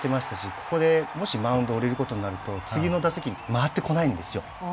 ここでもしマウンドを降りることになると次の打席回ってこないんですよ。